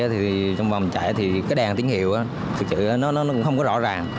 thì trong vòng chạy thì cái đèn tín hiệu thực sự nó cũng không có rõ ràng